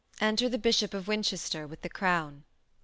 Enter the BISHOP OF WINCHESTER _with the crown.